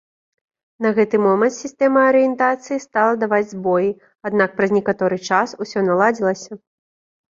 На гэты момант сістэма арыентацыі стала даваць збоі, аднак праз некаторы час усё наладзілася.